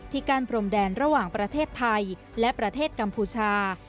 กั้นพรมแดนระหว่างประเทศไทยและประเทศกัมพูชา